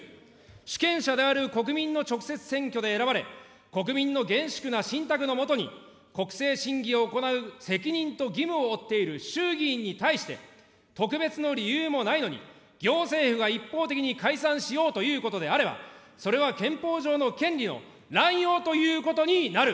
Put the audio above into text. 主権者である国民も直接選挙でえらばれ、国民の厳粛な信託のもとに、国政審議を行う責任と義務を負っている衆議院に対して、特別な理由もないのに、行政府が一方的に解散しようということであれば、それは憲法上の権利の濫用ということになる。